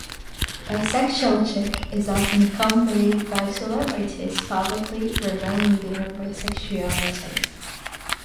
Bisexual chic is often accompanied by celebrities publicly revealing their bisexuality.